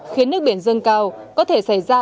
khiến nước biển dân cao có thể xảy ra